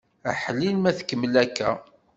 Aḥlil ma tkemmel akka!